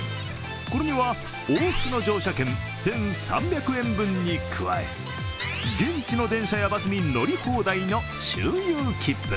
これには、往復の乗車券１３００円分に加え現地の電車やバスに乗り放題の周遊きっぷ。